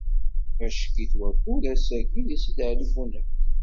Ackkit wakud ass-agi deg Sidi Ɛli Bunab.